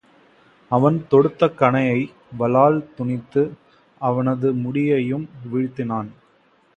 அவன் தொடுத்த கணையை வாளால் துணித்து அவனது முடியையும் வீழ்த்தினான்.